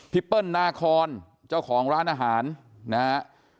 เปิ้ลนาคอนเจ้าของร้านอาหารนะฮะ